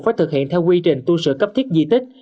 phải thực hiện theo quy trình tu sửa cấp thiết di tích